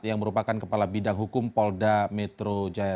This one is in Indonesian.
yang merupakan kepala bidang hukum polda metro jaya